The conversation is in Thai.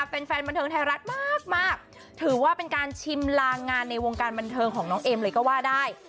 แฟนบันเทิงไทยรัฐมากถือว่าเป็นการชิมลางงานในวงการบันเทิงของน้องเอมเลยก็ว่าได้